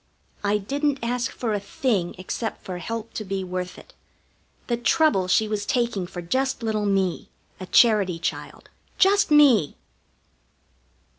I didn't ask for a thing except for help to be worth it the trouble she was taking for just little me, a charity child. Just me!